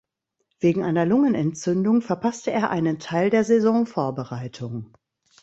Wegen einer Lungenentzündung verpasste er einen Teil der Saisonvorbereitung.